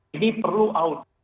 ini perlu out